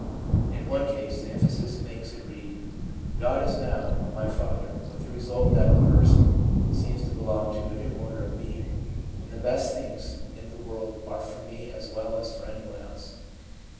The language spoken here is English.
In one case the emphasis makes it read, 'God is now my Father/ with the result that the person ' seems to belong to a new order of being/ and 'the best things in the world are for me as well as for anyone else.'